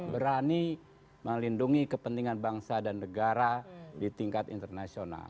berani melindungi kepentingan bangsa dan negara di tingkat internasional